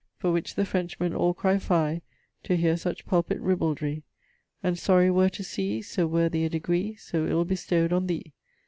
For which the French men all cry Fie! To heare such pulpitt ribauldrie. And sorry were to see So worthy a degree So ill bestowed on thee.